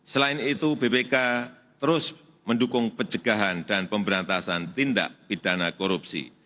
selain itu bpk terus mendukung pencegahan dan pemberantasan tindak pidana korupsi